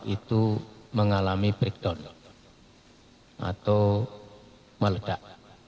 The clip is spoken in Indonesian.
itu mengalami breakdown atau meledak